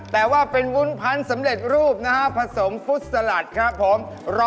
แต่ว่าเป็นวุ้นพรรณสำเร็จรูปผสมฟู๊ดสาลาดครับผม